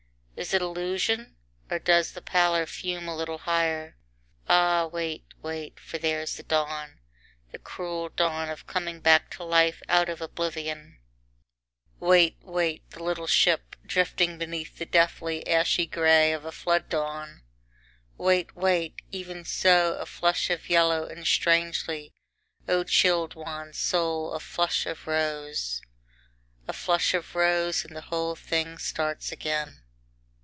Is it illusion? or does the pallor fume A little higher? Ah wait, wait, for there's the dawn the cruel dawn of coming back to life out of oblivion Wait, wait, the little ship drifting, beneath the deathly ashy grey of a flood dawn. Wait, wait! even so, a flush of yellow and strangely, O chilled wan soul, a flush of rose. A flush of rose, and the whole thing starts again.